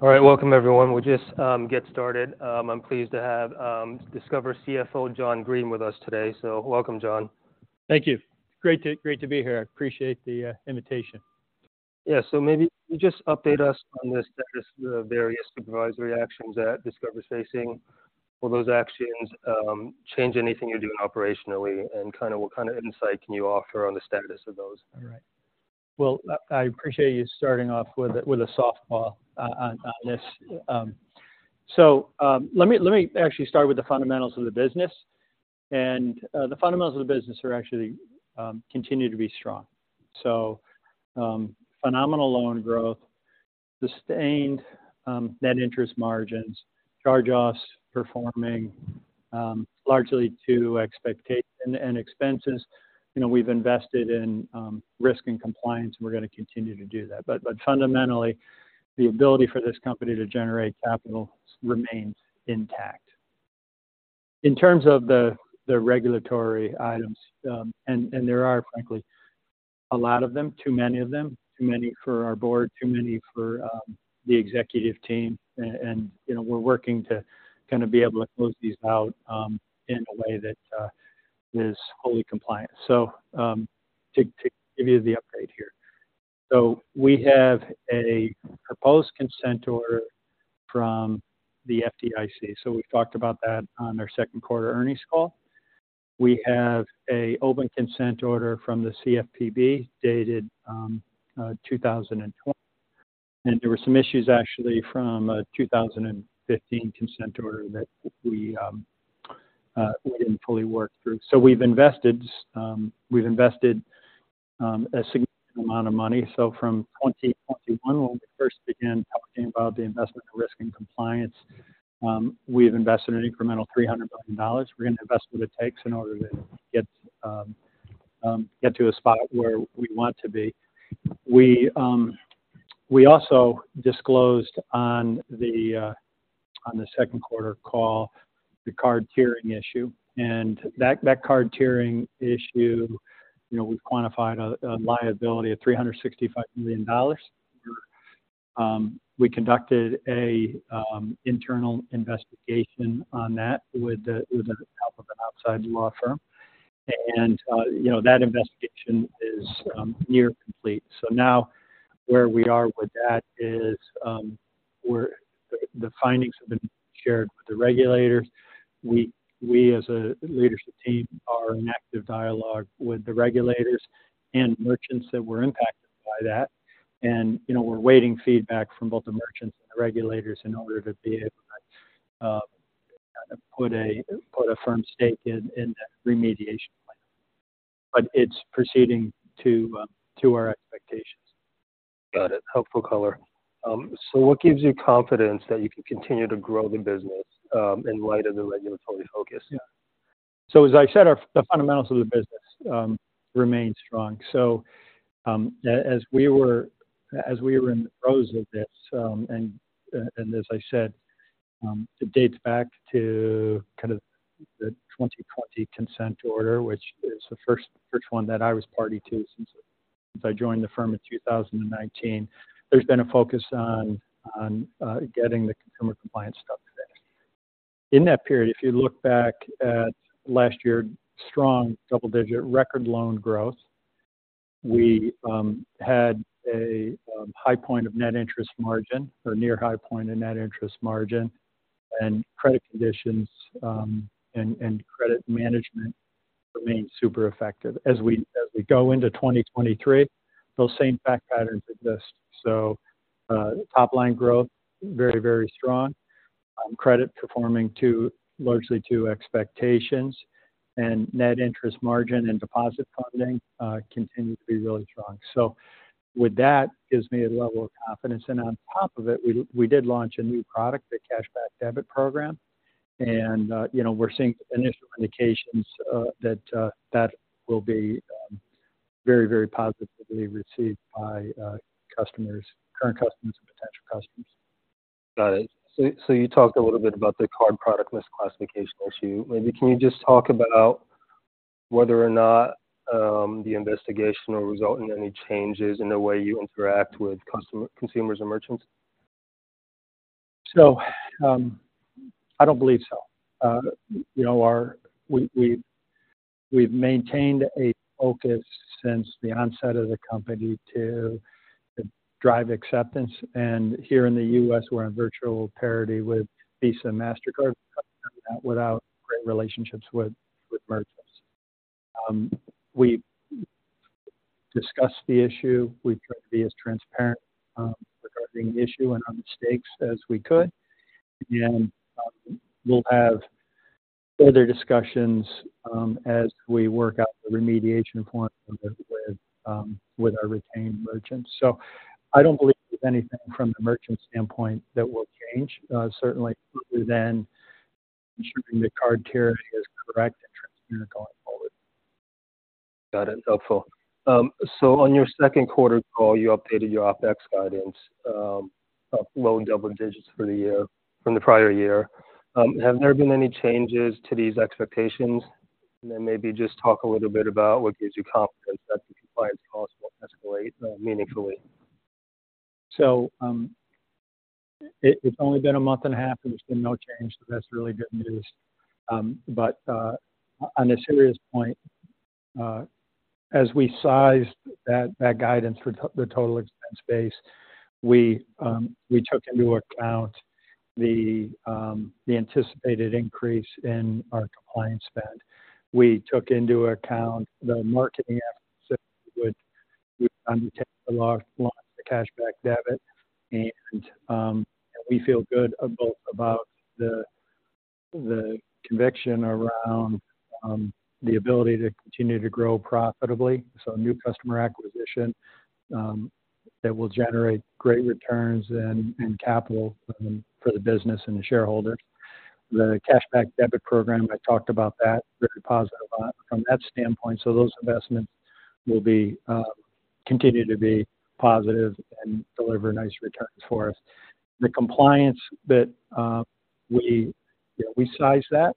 All right. Welcome, everyone. We'll just get started. I'm pleased to have Discover CFO John Greene with us today. Welcome, John. Thank you. Great to be here. I appreciate the invitation. Yeah. Maybe you just update us on the status of the various supervisory actions that Discover is facing. Will those actions change anything you're doing operationally? Kind of, what kind of insight can you offer on the status of those? Right. Well, I appreciate you starting off with a softball on this. So, let me actually start with the fundamentals of the business. The fundamentals of the business are actually continue to be strong. So, phenomenal loan growth, sustained net interest margins, charge-offs performing largely to expectation and expenses. You know, we've invested in risk and compliance, and we're going to continue to do that. But fundamentally, the ability for this company to generate capital remains intact. In terms of the regulatory items, and there are, frankly, a lot of them, too many of them, too many for our board, too many for the executive team. And, you know, we're working to kind of be able to close these out in a way that is wholly compliant. So, to give you the update here. So we have a proposed Consent Order from the FDIC, so we talked about that on our second quarter earnings call. We have an open Consent Order from the CFPB, dated 2020, and there were some issues actually from a 2015 Consent Order that we didn't fully work through. So we've invested, we've invested a significant amount of money. So from 2021, when we first began talking about the investment in risk and compliance, we have invested an incremental $300 billion. We're going to invest what it takes in order to get to a spot where we want to be. We also disclosed on the second quarter call the card tiering issue, and that card tiering issue, you know, we've quantified a liability of $365 million. We conducted an internal investigation on that with the help of an outside law firm, and, you know, that investigation is near complete. So now where we are with that is, the findings have been shared with the regulators. We, as a leadership team, are in active dialogue with the regulators and merchants that were impacted by that. You know, we're waiting feedback from both the merchants and the regulators in order to be able to put a firm stake in that remediation plan. But it's proceeding to our expectations. Got it. Helpful color. So what gives you confidence that you can continue to grow the business, in light of the regulatory focus? So, as I said, our the fundamentals of the business remain strong. So, as we were in the throes of this, and as I said, it dates back to kind of the 2020 consent order, which is the first one that I was party to since I joined the firm in 2019. There's been a focus on getting the consumer compliance stuff to date. In that period, if you look back at last year, strong double-digit record loan growth, we had a high point of net interest margin, or near high point in net interest margin, and credit conditions and credit management remained super effective. As we go into 2023, those same fact patterns exist. So, top-line growth, very, very strong. Credit performing to largely to expectations, and Net Interest Margin and deposit funding continue to be really strong. So with that, gives me a level of confidence, and on top of it, we, we did launch a new product, the Cashback Debit program. And, you know, we're seeing initial indications that that will be very, very positively received by customers, current customers and potential customers. Got it. So, so you talked a little bit about the card product misclassification issue. Maybe can you just talk about whether or not, the investigation will result in any changes in the way you interact with customer-consumers and merchants? I don't believe so. You know, we've maintained a focus since the onset of the company to drive acceptance, and here in the U.S., we're in virtual parity with Visa and Mastercard, without great relationships with merchants. We discussed the issue. We've tried to be as transparent regarding the issue and our mistakes as we could, and we'll have further discussions as we work out the remediation point with our retained merchants. I don't believe there's anything from the merchant standpoint that will change, certainly then ensuring the card tiering is correct and transparent going forward. Got it. Helpful. So on your second quarter call, you updated your OpEx guidance, up low double digits for the year from the prior year. Have there been any changes to these expectations?...And then maybe just talk a little bit about what gives you confidence that the compliance costs will escalate, meaningfully. So, it's only been a month and a half, and there's been no change, so that's really good news. But on a serious point, as we sized that guidance for the total expense base, we took into account the anticipated increase in our compliance spend. We took into account the marketing efforts that would undertake the launch the Cashback Debit, and we feel good about the conviction around the ability to continue to grow profitably. So new customer acquisition that will generate great returns and capital for the business and the shareholders. The Cashback Debit program, I talked about that, very positive about it from that standpoint. So those investments will continue to be positive and deliver nice returns for us. The compliance that we size that.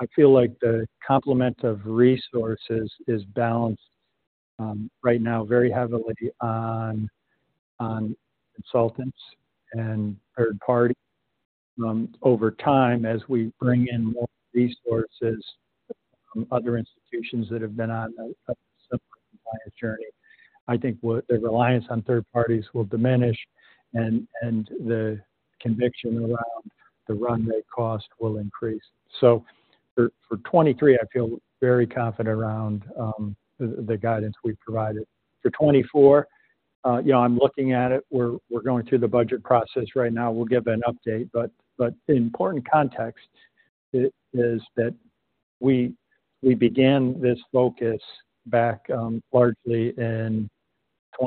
I feel like the complement of resources is balanced right now very heavily on consultants and third party. Over time, as we bring in more resources from other institutions that have been on a similar compliance journey, I think what the reliance on third parties will diminish and the conviction around the runway cost will increase. So for 2023, I feel very confident around the guidance we've provided. For 2024, you know, I'm looking at it. We're going through the budget process right now. We'll give an update, but the important context is that we began this focus back largely in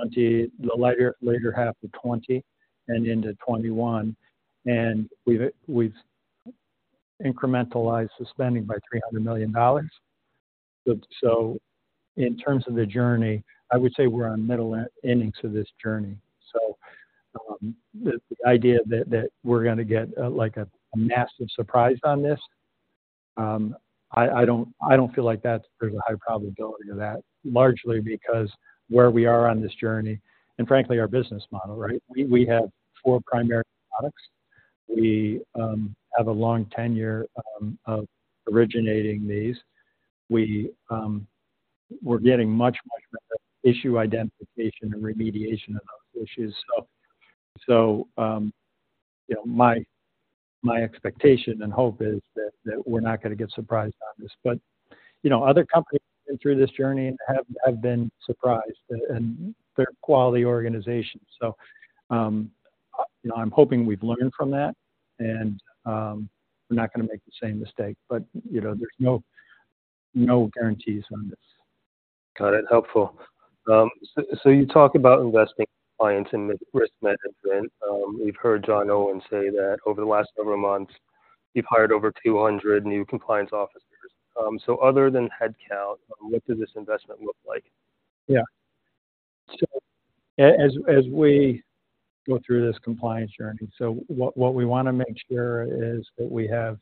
the later half of 2020 and into 2021, and we've incrementalized the spending by $300 million. So in terms of the journey, I would say we're on middle innings of this journey. So, the idea that we're going to get, like, a massive surprise on this, I don't feel like that there's a high probability of that. Largely because where we are on this journey and frankly, our business model, right? We have four primary products. We have a long tenure of originating these. We're getting much, much issue identification and remediation of those issues. So, you know, my expectation and hope is that we're not going to get surprised on this, but, you know, other companies through this journey have been surprised and they're quality organizations. So, you know, I'm hoping we've learned from that and we're not going to make the same mistake, but, you know, there's no guarantees on this. Got it. Helpful. So, you talk about investing clients and risk management. We've heard John Owen say that over the last several months, you've hired over 200 new compliance officers. So other than headcount, what does this investment look like? Yeah. So as we go through this compliance journey, so what we want to make sure is that we have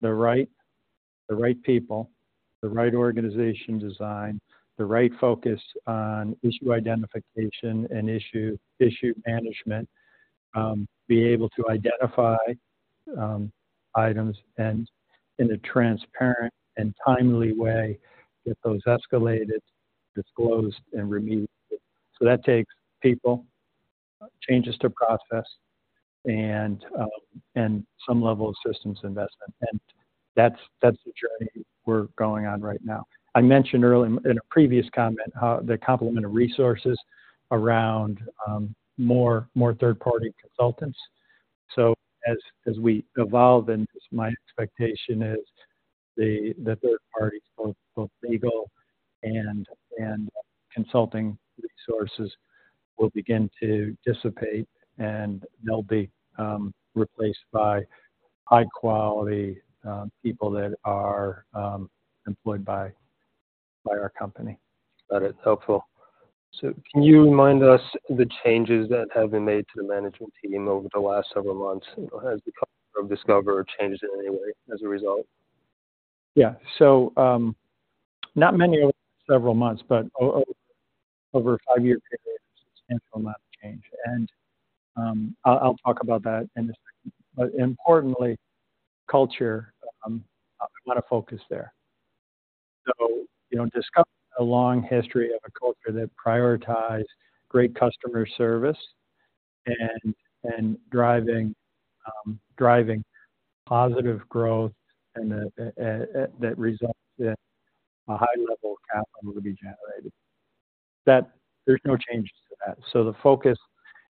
the right people, the right organization design, the right focus on issue identification and issue management. Be able to identify items and in a transparent and timely way, get those escalated, disclosed, and remediated. So that takes people, changes to process and some level of systems investment, and that's the journey we're going on right now. I mentioned earlier in a previous comment, the complement of resources around more third-party consultants. So as we evolve, and my expectation is the third parties, both legal and consulting resources, will begin to dissipate, and they'll be replaced by high-quality people that are employed by our company. Got it. Helpful. So can you remind us the changes that have been made to the management team over the last several months? Has the Discover changed in any way as a result? Yeah. So, not many over several months, but over a five-year period, a substantial amount of change. I'll talk about that in a second. But importantly, culture, a lot of focus there. So, you know, Discover a long history of a culture that prioritized great customer service and driving positive growth, and that results in a high level of capital to be generated, that there's no changes to that. So the focus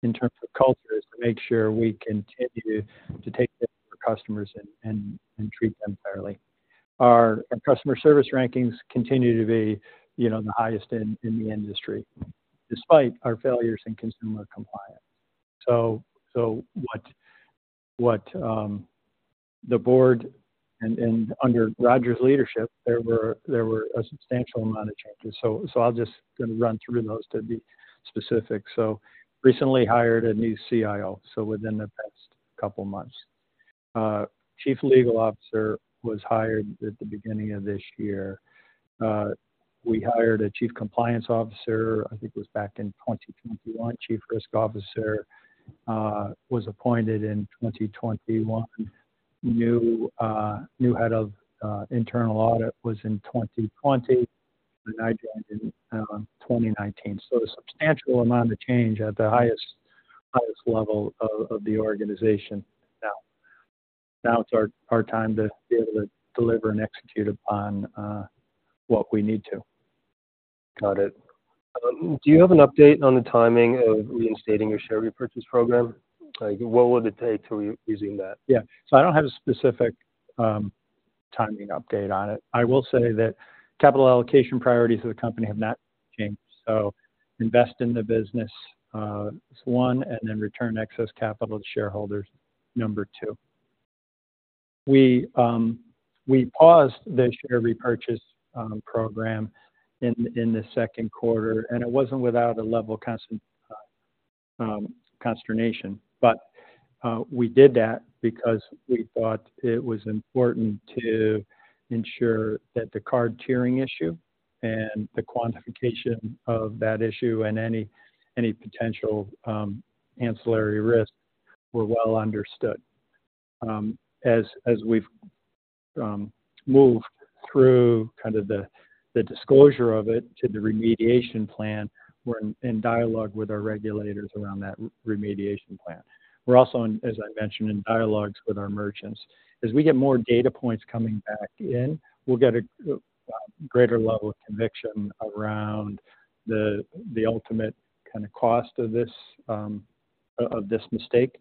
in terms of culture is to make sure we continue to take care of our customers and treat them fairly. Our customer service rankings continue to be, you know, the highest in the industry, despite our failures in consumer compliance. So what the board and under Roger's leadership, there were a substantial amount of changes. So I'll just run through those to be specific. So recently hired a new CIO within the past couple months. Chief Legal Officer was hired at the beginning of this year. We hired a Chief Compliance Officer, I think it was back in 2021. Chief Risk Officer was appointed in 2021. New Head of Internal Audit was in 2020, and I joined in 2019. So a substantial amount of change at the highest level of the organization now. Now it's our time to be able to deliver and execute upon what we need to. Got it. Do you have an update on the timing of reinstating your share repurchase program? Like, what would it take to resume that? Yeah. So I don't have a specific timing update on it. I will say that capital allocation priorities of the company have not changed, so invest in the business is one, and then return excess capital to shareholders, number two. We paused the share repurchase program in the second quarter, and it wasn't without a level of consternation. But we did that because we thought it was important to ensure that the card tiering issue and the quantification of that issue and any potential ancillary risks were well understood. As we've moved through kind of the disclosure of it to the remediation plan, we're in dialogue with our regulators around that remediation plan. We're also, as I mentioned, in dialogues with our merchants. As we get more data points coming back in, we'll get a greater level of conviction around the ultimate kind of cost of this mistake.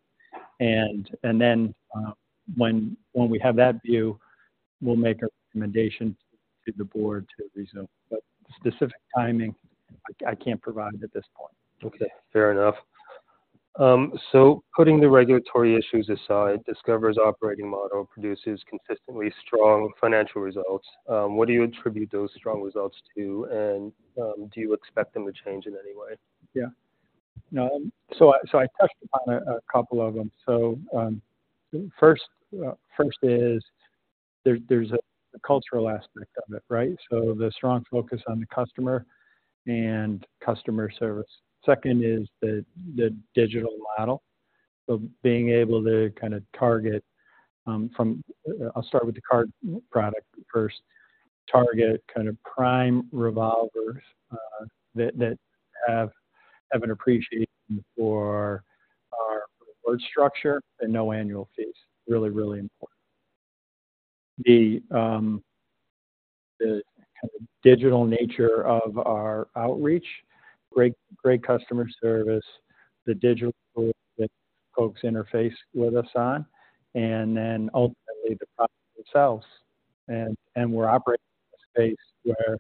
And then, when we have that view, we'll make a recommendation to the board to resume. But specific timing, I can't provide at this point. Okay, fair enough. So putting the regulatory issues aside, Discover's operating model produces consistently strong financial results. What do you attribute those strong results to, and do you expect them to change in any way? Yeah. So I touched upon a couple of them. So, first, there's a cultural aspect of it, right? So the strong focus on the customer and customer service. Second is the digital model. So being able to kinda target, from... I'll start with the card product first. Target kind of prime revolvers that have an appreciation for our reward structure and no annual fees. Really, really important. The kind of digital nature of our outreach, great, great customer service, the digital way that folks interface with us, and then ultimately the product itself. And we're operating in a space where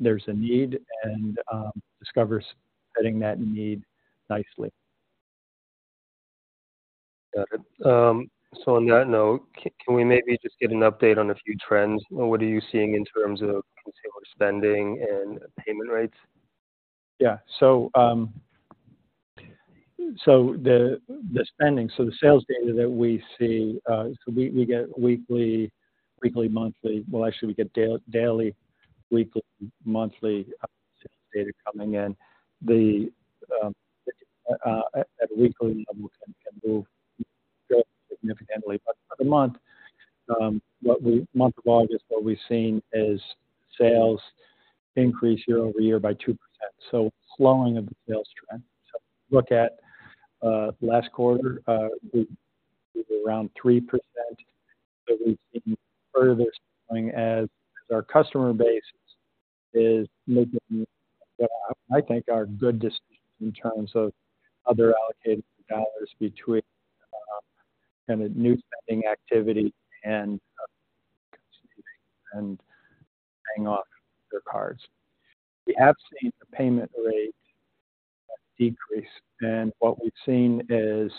there's a need and Discover's meeting that need nicely. Got it. So on that note, can we maybe just get an update on a few trends? What are you seeing in terms of consumer spending and payment rates? Yeah. So, the spending, so the sales data that we see, so we get weekly, monthly. Well, actually, we get daily, weekly, monthly sales data coming in. At a weekly level can move significantly. But for the month of August, what we've seen is sales increase year-over-year by 2%, so slowing of the sales trend. So look at last quarter, we were around 3%, but we've seen further slowing as our customer base is making what I think are good decisions in terms of how they're allocating dollars between kind of new spending activity and paying off their cards. We have seen the payment rate decrease, and what we've seen is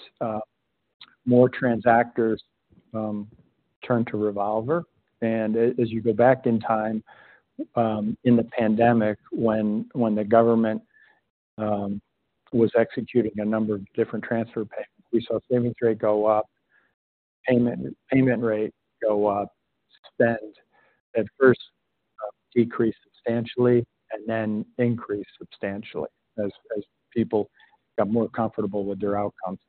more transactors turn to revolver. As you go back in time, in the pandemic, when the government was executing a number of different transfer payments, we saw savings rate go up, payment rate go up, spend at first decrease substantially and then increase substantially as people got more comfortable with their outcomes.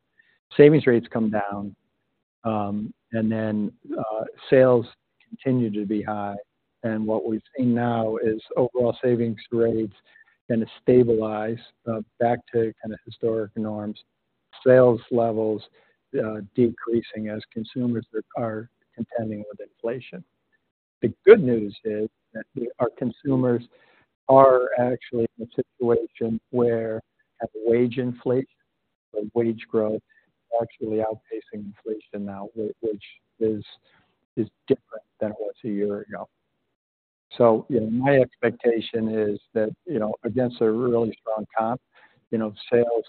Savings rates come down, and then sales continued to be high. And what we've seen now is overall savings rates tend to stabilize back to kind of historic norms, sales levels decreasing as consumers that are contending with inflation. The good news is that our consumers are actually in a situation where have wage inflation, where wage growth actually outpacing inflation now, which is different than it was a year ago. So, you know, my expectation is that, you know, against a really strong comp, you know, sales,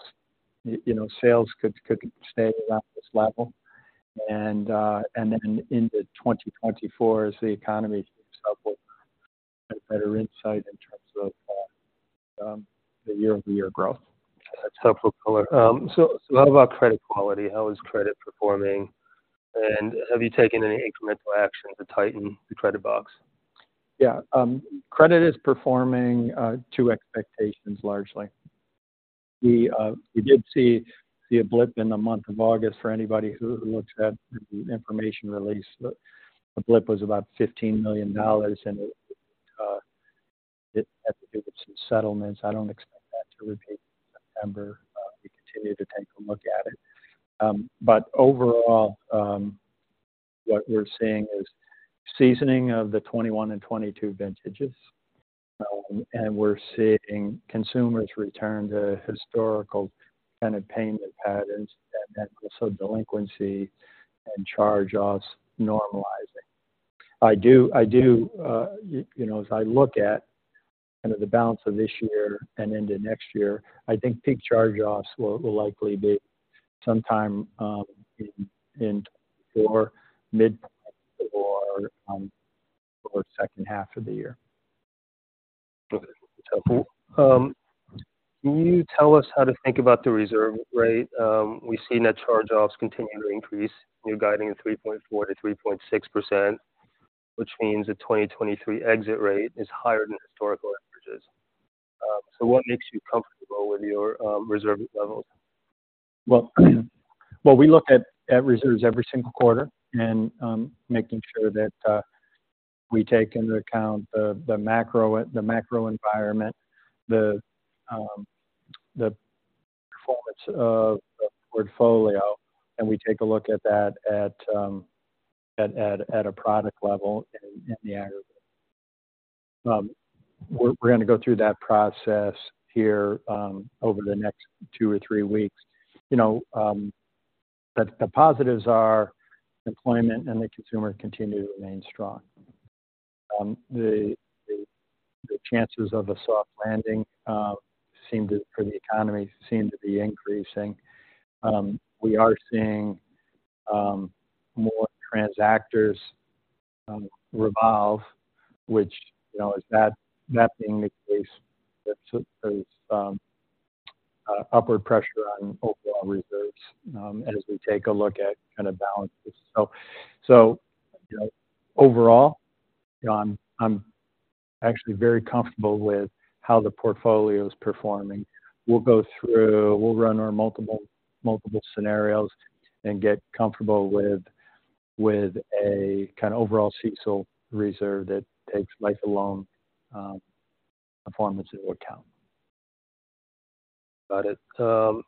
you know, sales could, could stay around this level. And, and then into 2024 as the economy picks up, we'll have better insight in terms of, the year-over-year growth. That's helpful. So what about credit quality? How is credit performing, and have you taken any incremental action to tighten the credit box? Yeah, credit is performing to expectations largely. We did see a blip in the month of August for anybody who looks at the information release. The blip was about $15 million, and it had to do with some settlements. I don't expect that to repeat in September. We continue to take a look at it. But overall, what we're seeing is seasoning of the 2021 and 2022 vintages. And we're seeing consumers return to historical kind of payment patterns, and then also delinquency and charge-offs normalizing. I do, you know, as I look at kind of the balance of this year and into next year, I think peak charge-offs will likely be sometime in or mid- or second half of the year. Okay. Can you tell us how to think about the reserve rate? We see net charge-offs continuing to increase. You're guiding a 3.4%-3.6%, which means the 2023 exit rate is higher than historical averages. So what makes you comfortable with your reserve levels? Well, we look at reserves every single quarter and making sure that we take into account the macro environment, the performance of the portfolio, and we take a look at that at a product level in the aggregate. We're going to go through that process here over the next two or three weeks. You know, but the positives are employment and the consumer continue to remain strong. The chances of a soft landing for the economy seem to be increasing. We are seeing more transactors revolve, which, you know, is that being the case, that there's upward pressure on overall reserves as we take a look at kind of balances. You know, overall, John, I'm actually very comfortable with how the portfolio is performing. We'll run our multiple scenarios and get comfortable with a kind of overall CECL reserve that takes lifetime performance into account. Got it. So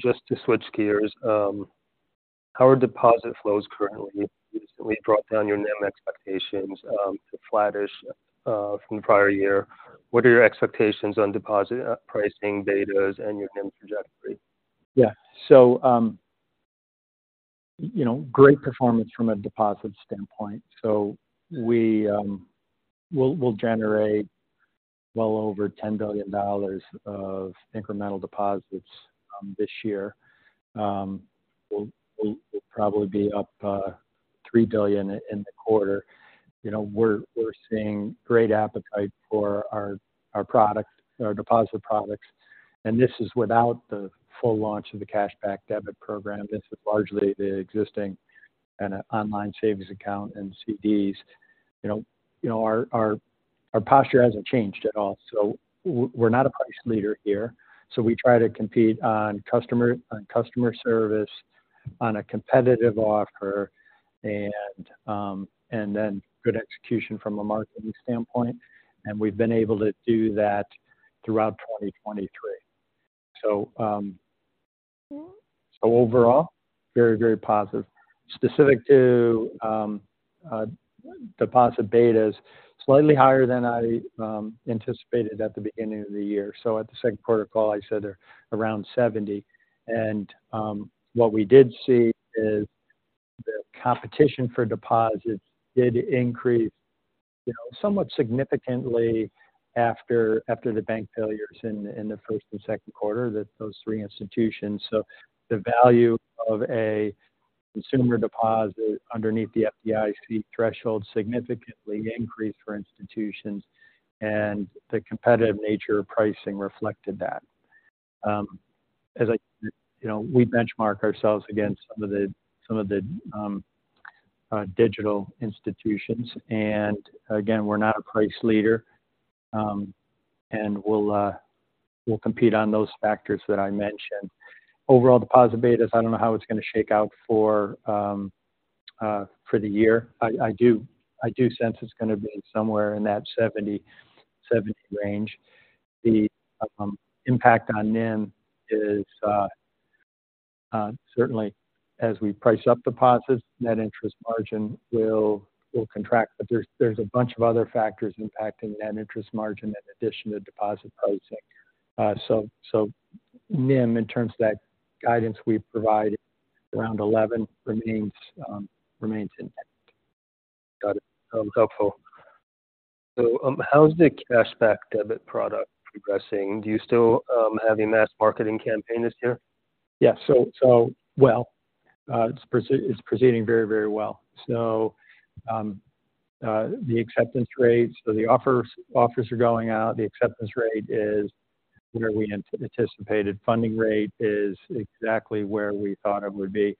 just to switch gears, how are deposit flows currently? You recently dropped down your NIM expectations to flattish from the prior year. What are your expectations on deposit pricing betas and your NIM trajectory? Yeah. So, you know, great performance from a deposit standpoint. So we, we'll, we'll generate well over $10 billion of incremental deposits, this year. We'll, we'll probably be up $3 billion in the quarter. You know, we're, we're seeing great appetite for our, our products, our deposit products, and this is without the full launch of the Cashback Debit program. This is largely the existing kind of online savings account and CDs. You know, you know, our, our, our posture hasn't changed at all. So we're not a price leader here, so we try to compete on customer, on customer service, on a competitive offer, and, and then good execution from a marketing standpoint. And we've been able to do that throughout 2023. So, so overall, very, very positive. Specific to deposit betas, slightly higher than I anticipated at the beginning of the year. So at the second quarter call, I said they're around 70, and what we did see is the competition for deposits did increase, you know, somewhat significantly after the bank failures in the first and second quarter, that those three institutions. So the value of a consumer deposit underneath the FDIC threshold significantly increased for institutions, and the competitive nature of pricing reflected that. As I... You know, we benchmark ourselves against some of the digital institutions. And again, we're not a price leader, and we'll compete on those factors that I mentioned. Overall, deposit betas, I don't know how it's going to shake out for the year. I do sense it's going to be somewhere in that 70-70 range. The impact on NIM is certainly as we price up deposits, net interest margin will contract, but there's a bunch of other factors impacting net interest margin in addition to deposit pricing. So NIM, in terms of that guidance we provided around 11, remains intact. Got it. Helpful. So, how's the Cashback Debit product progressing? Do you still have a mass marketing campaign this year? Yeah. So, so well. It's proceeding very, very well. So, the acceptance rates or the offers are going out, the acceptance rate is where we anticipated. Funding rate is exactly where we thought it would be.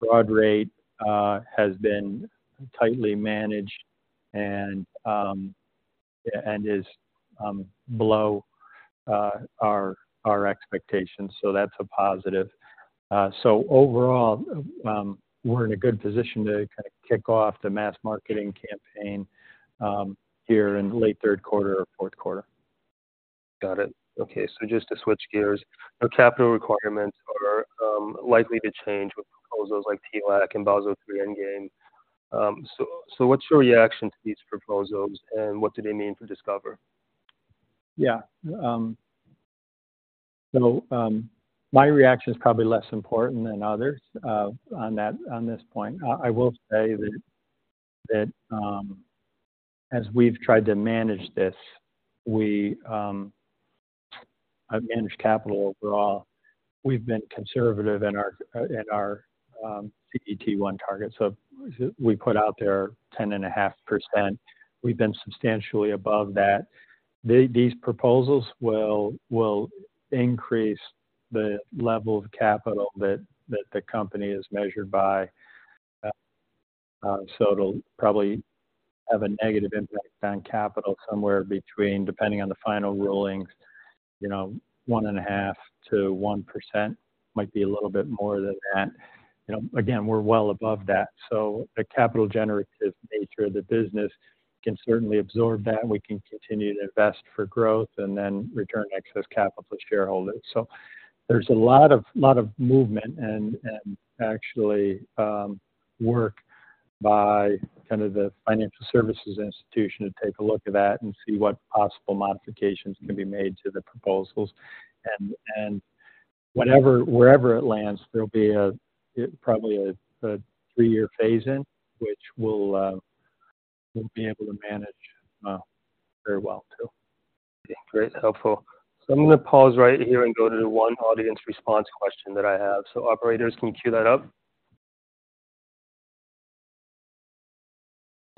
Fraud rate has been tightly managed and is below our expectations, so that's a positive. So overall, we're in a good position to kind of kick off the mass marketing campaign here in late third quarter or fourth quarter. Got it. Okay, so just to switch gears, your capital requirements are likely to change with proposals like TLAC and Basel III Endgame. So, what's your reaction to these proposals, and what do they mean for Discover? Yeah. So, my reaction is probably less important than others on this point. I will say that as we've tried to manage this, we have managed capital overall. We've been conservative in our CET1 target, so we put out there 10.5%. We've been substantially above that. These proposals will increase the level of capital that the company is measured by. So it'll probably have a negative impact on capital, somewhere between, depending on the final rulings, you know, 1.5%-1%. Might be a little bit more than that. You know, again, we're well above that, so the capital generative nature of the business can certainly absorb that, and we can continue to invest for growth and then return excess capital to shareholders. So there's a lot of, lot of movement and, and actually, work by kind of the financial services institution to take a look at that and see what possible modifications can be made to the proposals. And wherever it lands, there'll be probably a three-year phase-in, which we'll be able to manage very well, too. Great, helpful. So I'm going to pause right here and go to the one audience response question that I have. So operators, can you cue that up?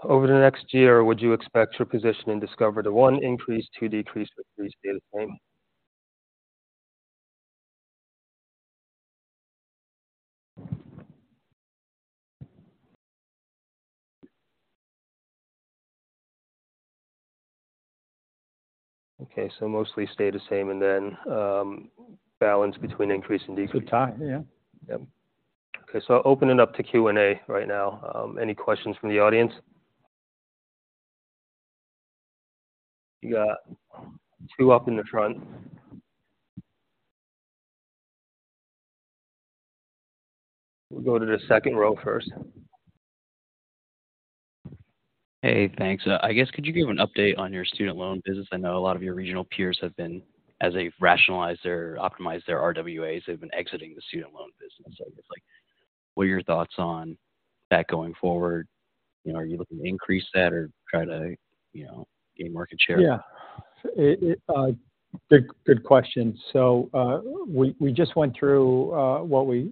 Over the next year, would you expect your position in Discover to, one, increase, two, decrease, or three, stay the same? Okay, so mostly stay the same, and then, balance between increase and decrease. Good tie, yeah. Yep. Okay, so opening up to Q&A right now. Any questions from the audience? You got two up in the front. We'll go to the second row first. Hey, thanks. I guess, could you give an update on your student loan business? I know a lot of your regional peers have been, as they've rationalized their, optimized their RWAs, they've been exiting the student loan business. I guess, like, what are your thoughts on that going forward? You know, are you looking to increase that or try to, you know, gain market share? Yeah. Good, good question. So, we just went through what we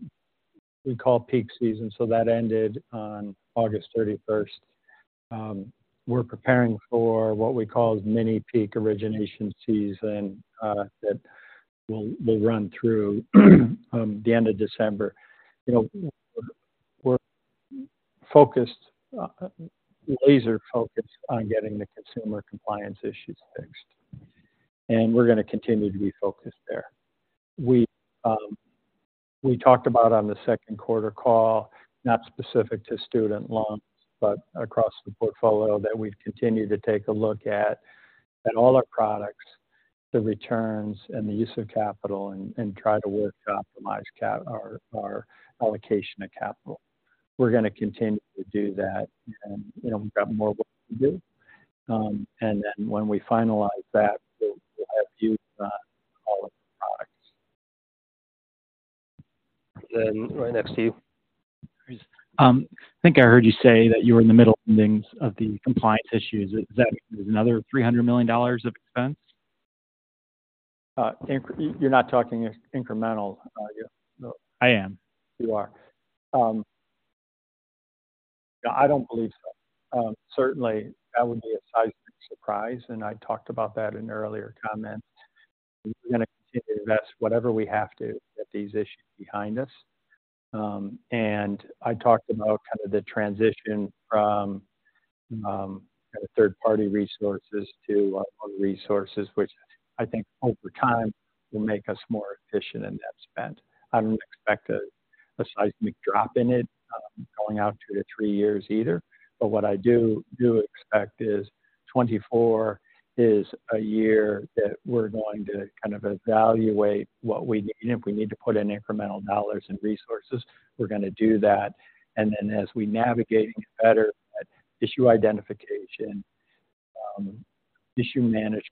call peak season, so that ended on August 31st. We're preparing for what we call mini peak origination season, that will run through the end of December. You know, we're focused, laser focused on getting the consumer compliance issues fixed, and we're going to continue to be focused there. We talked about on the second quarter call, not specific to student loans, but across the portfolio, that we've continued to take a look at all our products, the returns and the use of capital, and try to work to optimize our allocation of capital. We're going to continue to do that, and, you know, we've got more work to do. And then when we finalize that, we'll have views on all of the products. Then right next to you. I think I heard you say that you were in the middle innings of the compliance issues. Is that another $300 million of expense? You're not talking incremental, are you? I am. You are. I don't believe so. Certainly, that would be a seismic surprise, and I talked about that in earlier comments. We're gonna continue to invest whatever we have to, to get these issues behind us. And I talked about kind of the transition from kind of third-party resources to our resources, which I think over time will make us more efficient in that spend. I don't expect a seismic drop in it, going out two to three years either. But what I do expect is 2024 is a year that we're going to kind of evaluate what we need. If we need to put in incremental dollars and resources, we're going to do that. Then as we navigate and get better at issue identification, issue management,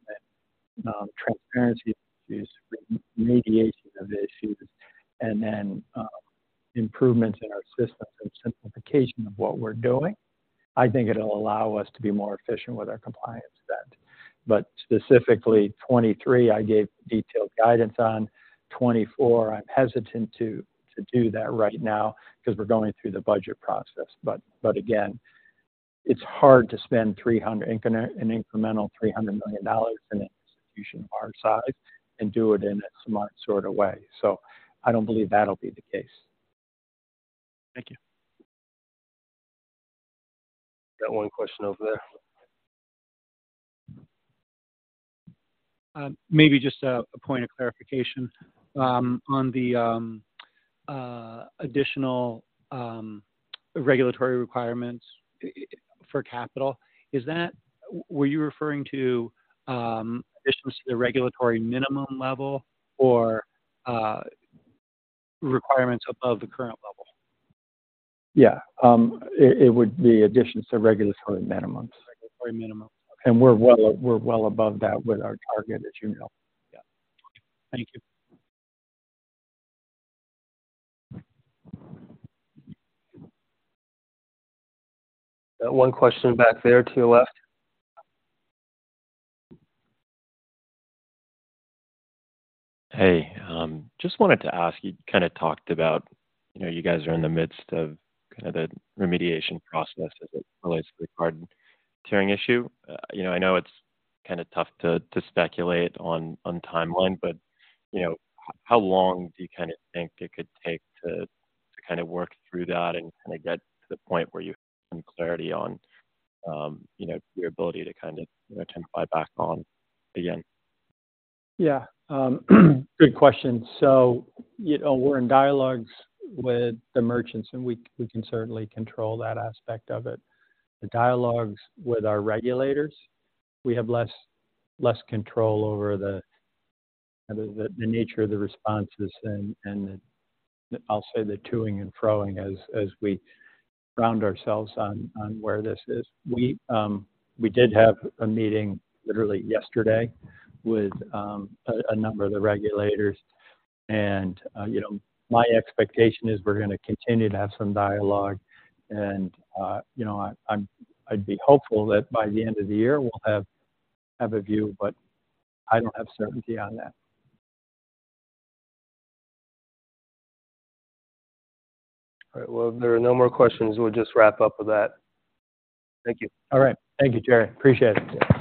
transparency issues, remediation of issues, and then improvements in our systems and simplification of what we're doing, I think it'll allow us to be more efficient with our compliance spend. But specifically, 2023, I gave detailed guidance on. 2024, I'm hesitant to do that right now because we're going through the budget process. But again, it's hard to spend an incremental $300 million in an institution of our size and do it in a smart sort of way. So I don't believe that'll be the case. Thank you. Got one question over there. Maybe just a point of clarification on the additional regulatory requirements for capital. Were you referring to additions to the regulatory minimum level or requirements above the current level? Yeah. It would be additions to regulatory minimums. Regulatory minimums. We're well above that with our target, as you know. Yeah. Thank you. Got one question back there to the left. Hey, just wanted to ask, you kind of talked about, you know, you guys are in the midst of kind of the remediation process as it relates to the card tiering issue. You know, I know it's kind of tough to speculate on timeline, but, you know, how long do you kind of think it could take to kind of work through that and kind of get to the point where you have some clarity on, you know, your ability to kind of, you know, turn the buyback on again? Yeah, good question. So, you know, we're in dialogues with the merchants, and we can certainly control that aspect of it. The dialogues with our regulators, we have less control over the nature of the responses and the, I'll say, the toing and froing as we ground ourselves on where this is. We did have a meeting literally yesterday with a number of the regulators and, you know, my expectation is we're gonna continue to have some dialogue and, you know, I'd be hopeful that by the end of the year, we'll have a view, but I don't have certainty on that. All right. Well, if there are no more questions, we'll just wrap up with that. Thank you. All right. Thank you, Jerry. Appreciate it.